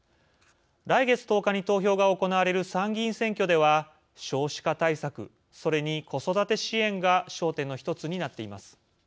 来月１０日に投票が行われる参議院選挙では少子化対策、それに子育て支援が焦点の１つになっています。